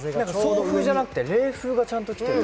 送風じゃなくて冷風がちゃんと来る。